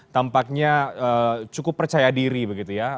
tampaknya cukup percaya diri begitu ya